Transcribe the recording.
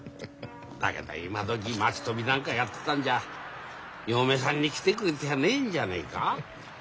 だけど今時町トビなんかやってたんじゃ嫁さんに来てくれる手がねえんじゃねえか？